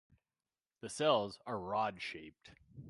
The cells are rod-shaped.